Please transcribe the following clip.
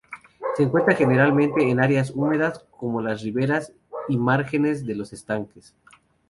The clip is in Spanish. Se encuentra generalmente en áreas húmedas, como las riberas y márgenes de los estanques.